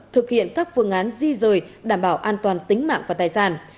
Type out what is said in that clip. thực hiện các phương án di rời đảm bảo an toàn tính mạng và tài sản